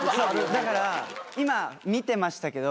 だから今見てましたけど。